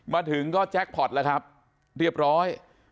มาถึงก็แจ็คพอร์ตแล้วครับเรียบร้อย